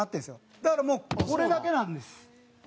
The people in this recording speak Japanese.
だからもう、これだけなんです。